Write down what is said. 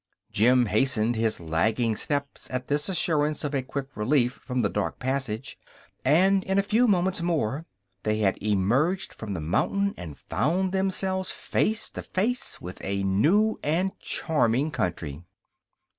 Jim hastened his lagging steps at this assurance of a quick relief from the dark passage, and in a few moments more they had emerged from the mountain and found themselves face to face with a new and charming country.